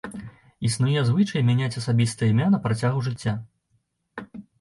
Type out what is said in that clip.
Існуе звычай мяняць асабістае імя на працягу жыцця.